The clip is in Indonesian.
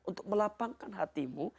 untuk melapangkan hatimu